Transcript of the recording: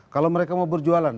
kalau mereka mau berjualan